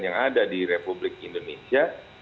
yang ada di republik indonesia